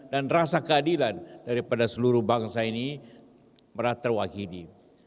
dan rasa keadilan daripada seluruh bangsa ini merata wakili